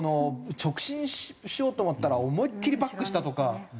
直進しようと思ったら思いっきりバックしたとか。